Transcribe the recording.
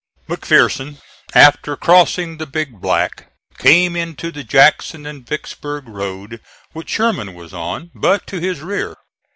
McPherson, after crossing the Big Black, came into the Jackson and Vicksburg road which Sherman was on, but to his rear.